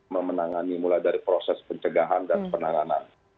memenangani mulai dari proses pencegahan dan penanganan